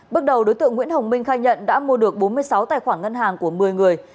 bước đầu đối tượng nguyễn hồng minh khai nhận đã mua được bốn mươi sáu tài khoản ngân hàng của một mươi người